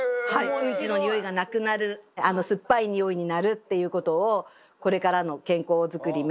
うんちのにおいがなくなる酸っぱいにおいになるっていうことをこれからの健康作り免疫のチカラ